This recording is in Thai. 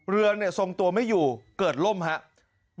เรือเนี่ยทรงตัวไม่อยู่เกิดล่มครับ